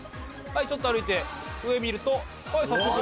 ちょっと歩いて上見ると早速。